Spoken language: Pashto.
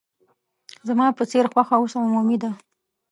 زما په څېر خوښه اوس عمومي ده.